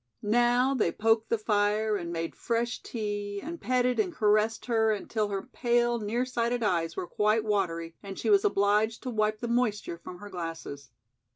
Now they poked the fire and made fresh tea and petted and caressed her until her pale, near sighted eyes were quite watery and she was obliged to wipe the moisture from her glasses.